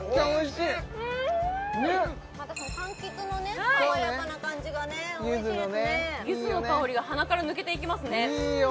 ねっまたこのかんきつの爽やかな感じがおいしいですねゆずのねいいよねゆずの香りが鼻から抜けていきますねいいよ！